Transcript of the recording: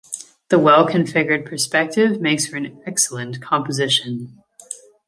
The well-configured perspective makes for an excellent composition.